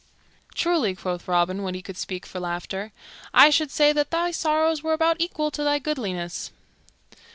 "Truly," quoth Robin, when he could speak for laughter, "I should say that thy sorrows were about equal to thy goodliness."